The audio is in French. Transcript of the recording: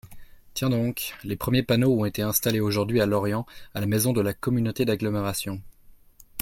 Tiens donc, les premiers panneaux ont été installés aujourd’hui à Lorient à la maison de la Communauté d’agglomération.